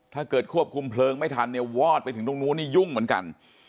ควบคุมเพลิงไม่ทันเนี่ยวอดไปถึงตรงนู้นนี่ยุ่งเหมือนกัน